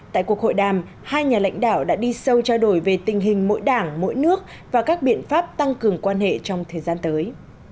tại cuộc hội đàm hai nhà lãnh đạo đã đi sâu trao đổi về tình hình mỗi đảng mỗi nước và các biện pháp tăng cường quan hệ trong thời gian tới